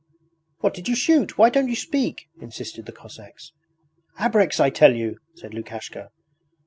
'What did you shoot? Why don't you speak?' insisted the Cossacks. 'Abreks, I tell you!' said Lukashka.